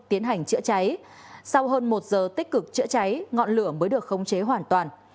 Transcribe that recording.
tiến hành chữa cháy sau hơn một giờ tích cực chữa cháy ngọn lửa mới được khống chế hoàn toàn